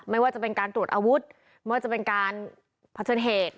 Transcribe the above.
ไม่ว่าจะเป็นการตรวจอาวุธไม่ว่าจะเป็นการเผชิญเหตุ